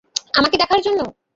আমাকে দেখার জন্য?